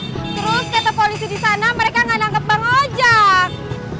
terus kata polisi di sana mereka gak nangkep pengojak